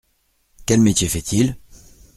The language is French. Quel métier fait-il ?